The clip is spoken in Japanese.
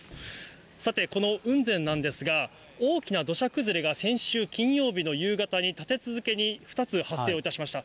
さて、この雲仙なんですが、大きな土砂崩れが先週金曜日の夕方に立て続けに２つ発生をいたしました。